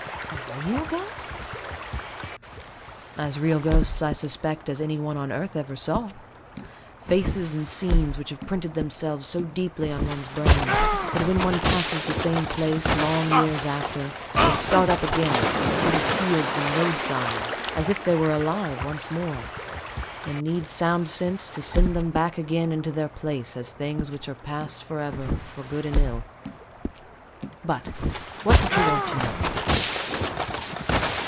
Of real ghosts? As real ghosts, I suspect, as any one on earth ever saw; faces and scenes which have printed themselves so deeply on one's brain, that when one passes the same place, long years after, they start up again, out of fields and roadsides, as if they were alive once more, and need sound sense to send them back again into their place as things which are past for ever, for good and ill. But what did you want to know?